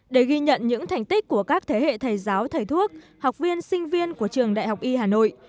để ghi nhận những thành tích của các thế hệ thầy giáo thầy thuốc học viên sinh viên của trường đại học y hà nội